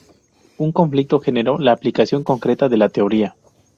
Un conflicto generó la aplicación concreta de la teoría.